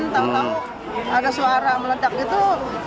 dan tahu tahu ada suara melecak itu